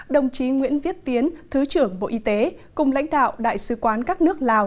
đồng chí nguyễn viết tiến thứ trưởng bộ y tế cùng lãnh đạo đại sứ quán các nước lào